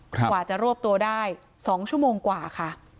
กว่าจะรวบตัวได้๒ชั่วโมงกว่าค่ะ